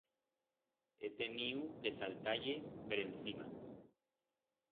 He teniu que saltar-ie per encima.